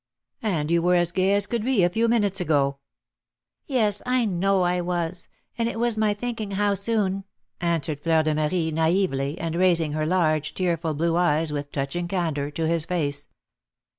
"And you were as gay as could be a few minutes ago." "Yes, I know I was; and it was my thinking how soon " answered Fleur de Marie, naïvely, and raising her large, tearful blue eyes, with touching candour, to his face.